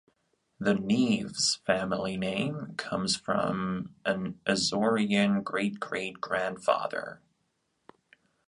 The Neves family name comes from an Azorean great-great-grandfather.